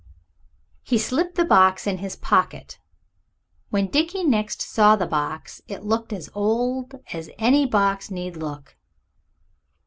He slipped the box in his pocket. When Dickie next saw the box it looked as old as any box need look.